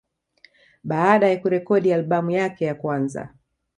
Baada ya kurekodi albamu yake ya kwanza